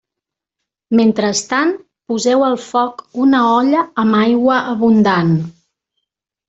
Mentrestant poseu al foc una olla amb aigua abundant.